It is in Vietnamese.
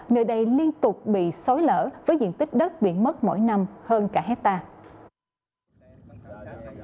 nơi đây liên tục bị xói lỡ với diện tích đất biển mất mỗi năm hơn cả hectare